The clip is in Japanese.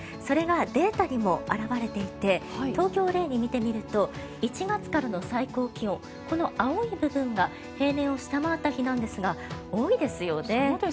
それがデータにも表れていて東京を例で見てみると１月からの最高気温この青い部分が平年を下回った日なんですが多いですよね。